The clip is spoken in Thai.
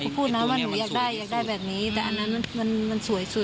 พูดนะว่าหนูอยากได้อยากได้แบบนี้แต่อันนั้นมันสวยสุด